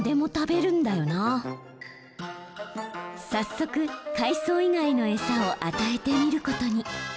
早速海藻以外の餌を与えてみることに。